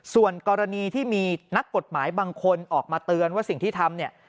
ส่วนกรณีที่มีนักกฎหมายบางคนออกมาเตือนว่าสิ่งที่ทำเนี่ย